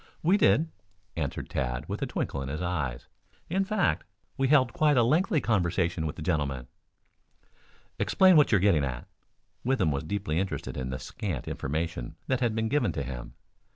"We did," answered Tad with a twinkle in his eyes. "In fact we held quite a lengthy conversation with the gentleman." "Explain what you are getting at." Withem was deeply interested in the scant information that had been given to him.